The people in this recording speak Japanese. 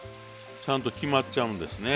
ちゃんと決まっちゃうんですね。